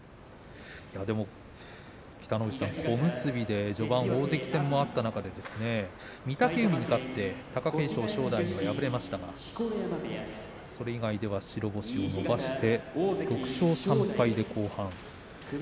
北の富士さん、小結で序盤大関戦もあった中で御嶽海に勝って貴景勝、正代には敗れましたがそれ以外では白星を伸ばして６勝３敗です。